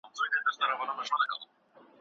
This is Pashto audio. هغوی به ریاضتونه ومني.